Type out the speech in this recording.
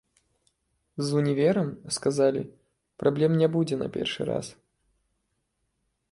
З універам, сказалі, праблем не будзе на першы раз.